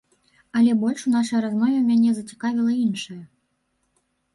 Але больш у нашай размове мяне зацікавіла іншае.